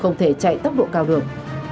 không thể chạy tốc độ cao được